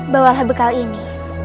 bawalah bekal ini